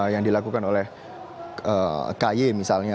yang dilakukan oleh ky misalnya